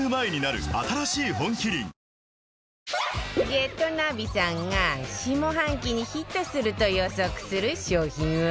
『ゲットナビ』さんが下半期にヒットすると予測する商品は？